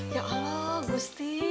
ya allah gusti